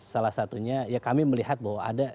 salah satunya ya kami melihat bahwa ada